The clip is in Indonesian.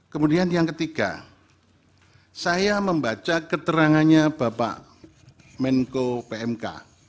kemudian yang ketiga saya membaca keterangannya bapak menko pmk